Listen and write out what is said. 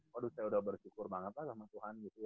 waduh saya udah bersyukur banget lah sama tuhan gitu ya